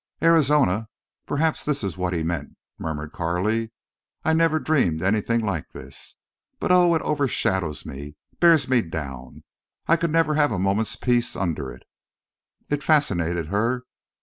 "Arizona! Perhaps this is what he meant," murmured Carley. "I never dreamed of anything like this.... But, oh! it overshadows me—bears me down! I could never have a moment's peace under it." It fascinated her.